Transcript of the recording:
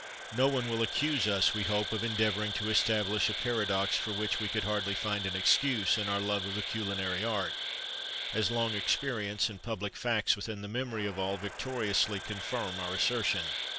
No one will accuse us, we hope, of endeavouring to establish a paradox for which we could hardly find an excuse, in our love of the culinary art, as long experience, and public facts within the memory of all, victoriously confirm our assertion.